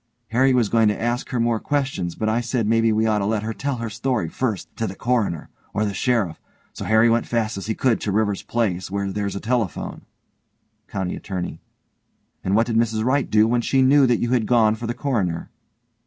Harry was going to ask her more questions but I said maybe we ought to let her tell her story first to the coroner, or the sheriff, so Harry went fast as he could to Rivers' place, where there's a telephone. COUNTY ATTORNEY: And what did Mrs Wright do when she knew that you had gone for the coroner?